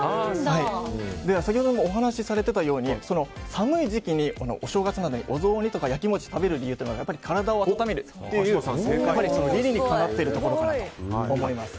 先ほどもお話しされていたように寒い時期、お正月にお雑煮とか焼き餅を食べる理由というのは体を温めるという理にかなっているところからかと思います。